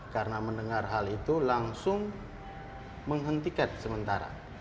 karena mendengar hal itu langsung menghentikan sementara